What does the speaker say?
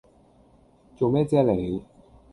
做咩啫你